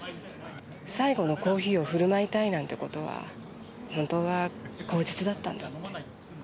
最後のコーヒーをふるまいたいなんて事は本当は口実だったんだって。